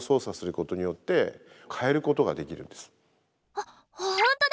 あっほんとだ！